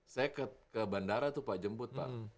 saya ke bandara itu pak jemput pak